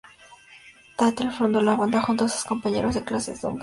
Tatler fundó la banda junto a su compañero de clases Duncan Scott.